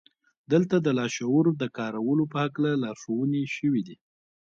دلته د لاشعور د کارولو په هکله لارښوونې شوې دي